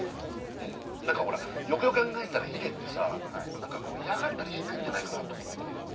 うん何かほらよくよく考えたらヒデってさ嫌がったりしないんじゃないかなって思って来て。